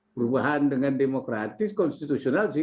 perubahan dengan demokratis konstitusional